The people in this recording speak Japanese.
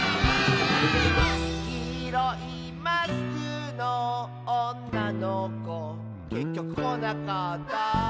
「きいろいマスクのおんなのこ」「けっきょくこなかった」